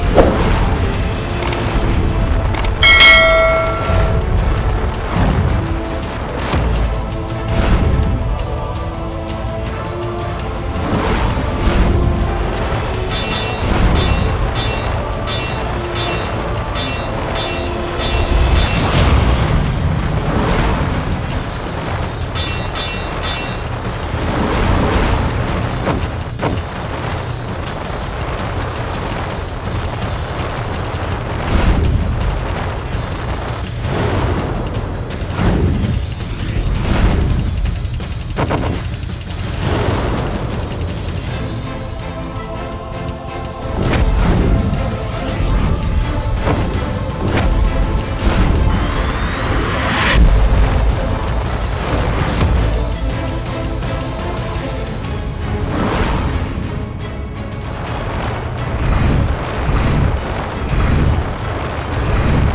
kau jangan khawatir